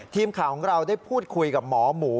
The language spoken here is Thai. ทีมข่าวของเราได้พูดคุยกับหมอหมู